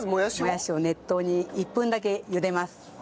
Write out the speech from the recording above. もやしを熱湯に１分だけ茹でます。